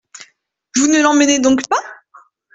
Vous ne l’emmenez donc pas ?